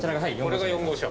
これが４号車。